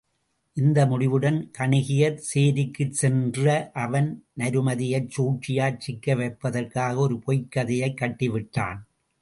இந்த முடிவுடன் கணிகையர் சேரிக்குச் சென்ற அவன் நருமதையைச் சூழ்ச்சியிற் சிக்கவைப்பதற்காக ஒரு பொய்க் கதையைக் கட்டிவிட்டான்.